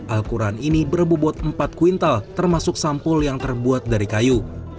al quran ini berbobot empat kuintal termasuk sampul yang terbuat dari kayu